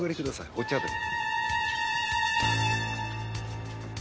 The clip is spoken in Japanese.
お茶でも。